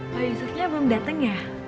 pak yusufnya belum datang ya